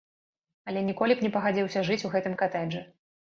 Але ніколі б не пагадзіўся жыць у гэтым катэджы.